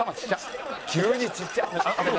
急にちっちゃ！」